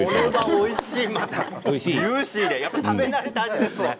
おいしいです、ジューシーで食べ慣れた味です。